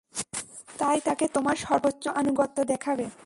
তাই তাকে তোমার সর্বোচ্চ আনুগত্য দেখাবে।